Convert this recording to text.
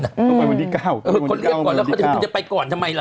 ต้องไปวันที่๙เขาเรียกวันที่๙แล้วเขาจะไปก่อนทำไมล่ะ